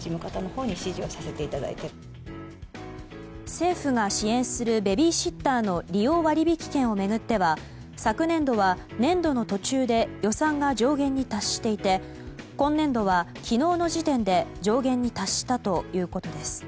政府が支援するベビーシッターの利用割引券を巡っては昨年度は年度の途中で予算が上限に達していて今年度は昨日の時点で上限に達したということです。